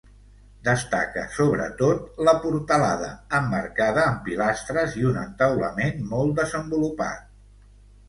Destaca, sobretot, la portalada, emmarcada amb pilastres i un entaulament molt desenvolupat.